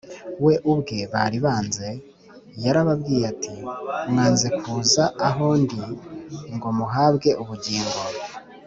We ubwe bari banze. Yarababwiye ati, “Mwanze kuza aho ndi ngo muhabwe ubugingo.